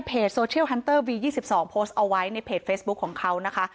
โซเชียลฮันเตอร์วี๒๒โพสต์เอาไว้ในเพจเฟซบุ๊คของเขานะคะ